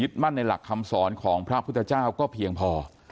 พระส่งรูปนี้บอกว่าอ้าวแล้วท่านรู้จักแม่ชีที่ห่มผ้าสีแดงไหม